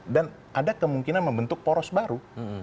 dan ada kemungkinan membentuk poros baru